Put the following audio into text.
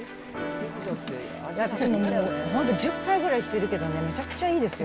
私ももう本当１０回ぐらい来てるけどね、めちゃくちゃいいですよ